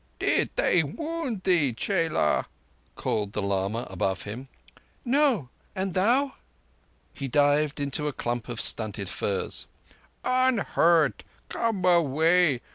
"Did they wound thee, chela?" called the lama above him. "No. And thou?" He dived into a clump of stunted firs. "Unhurt. Come away.